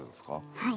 はい。